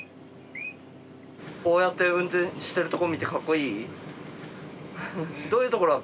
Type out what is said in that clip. こうやって運転しているところを見てかっこいい？